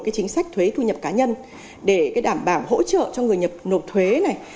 cái chính sách thuế thu nhập cá nhân để đảm bảo hỗ trợ cho người nhập nộp thuế này